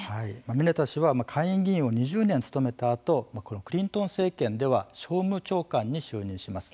ミネタ氏は下院議員を２０年務めたあとクリントン政権では商務長官に就任します。